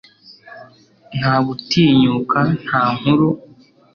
Nta gutinyuka, nta nkuru.